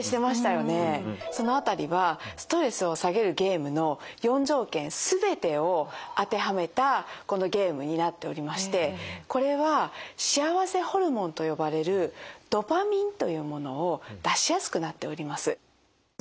その辺りはストレスを下げるゲームの４条件すべてを当てはめたこのゲームになっておりましてこれは幸せホルモンと呼ばれるドパミンというものを出しやすくなっております。